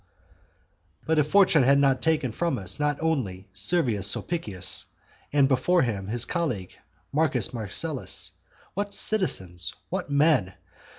XIV. But if Fortune had not taken from us not only Servius Sulpicius, and before him, his colleague Marcus Marcellus, what citizens! What men!